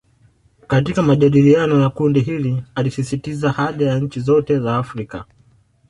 Katika majadiliano ya kundi hili alisisitiza haja ya nchi zote za Afrika